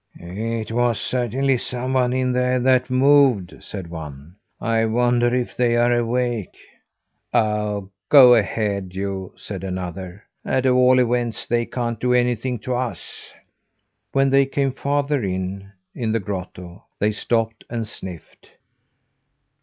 "It was certainly someone in there that moved," said one. "I wonder if they are awake." "Oh, go ahead, you!" said another. "At all events, they can't do anything to us." When they came farther in, in the grotto, they stopped and sniffed.